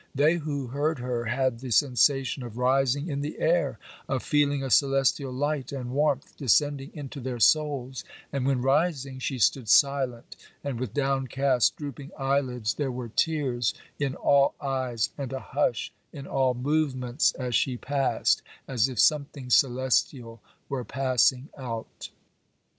They who heard her had the sensation of rising in the air, of feeling a celestial light and warmth descending into their souls; and when, rising, she stood silent and with downcast drooping eyelids, there were tears in all eyes, and a hush in all movements as she passed, as if something celestial were passing out.